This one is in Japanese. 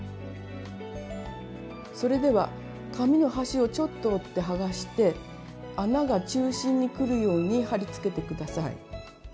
それでは紙の端をちょっと折って剥がして穴が中心にくるように貼り付けて下さい。